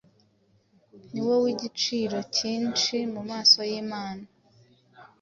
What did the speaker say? ni wo w’igiciro cyinshi mu maso y’imana.